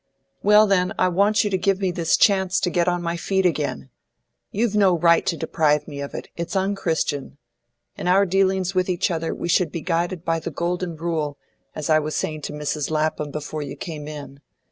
"Well, then, I want you to give me this chance to get on my feet again. You've no right to deprive me of it; it's unchristian. In our dealings with each other we should be guided by the Golden Rule, as I was saying to Mrs. Lapham before you came in.